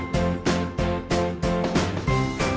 มีความสุขในที่เราอยู่ในช่องนี้ก็คือความสุขในที่เราอยู่ในช่องนี้